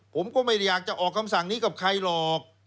ผมก็ไม่อยากจะออกคำสั่งนี้กับใครหรอก